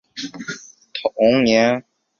同年授澶州司户参军。